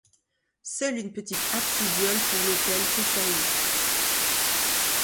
Seule une petite absidiole pour l'autel fait saillie.